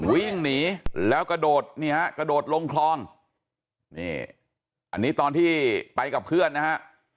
วิ่งหนีแล้วกระโดดนี่ฮะกระโดดลงคลองนี่อันนี้ตอนที่ไปกับเพื่อนนะฮะ